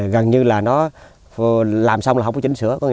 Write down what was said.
gần như là nó làm xong là không có chỉnh sửa